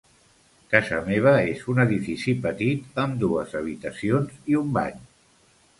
Casa meva és un edifici petit amb dues habitacions i un bany.